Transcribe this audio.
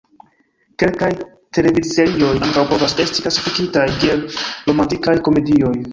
Kelkaj televidserioj ankaŭ povas esti klasifikitaj kiel romantikaj komedioj.